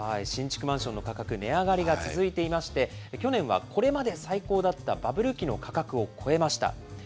新築マンションの価格、値上がりが続いていまして、去年はこれまで最高だったバブル期の価格を超えました。